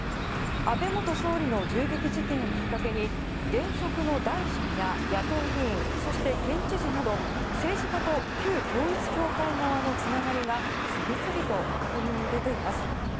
安倍元総理の銃撃事件をきっかけに現職の大臣や野党議員そして、県知事など政治家と旧統一教会側のつながりが次々と明るみに出ています。